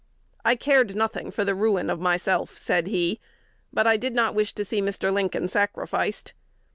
"I cared nothing for the ruin of myself," said he; "but I did not wish to see Mr. Lincoln sacrificed."